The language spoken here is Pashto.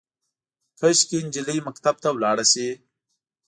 کاشکي، نجلۍ مکتب ته ولاړه شي